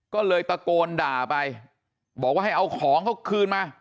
ก็เลยตะโกนด่าไปบอกว่าให้เอาของเขาคืนมา